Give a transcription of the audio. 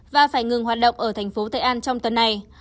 và phải ngừng hoạt động ở thành phố tây an trong tuần này